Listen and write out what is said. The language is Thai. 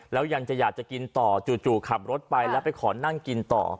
แล้วยังจะอยากจะกินต่อจู่ขับรถไปแล้วไปขอนั่งกินต่อ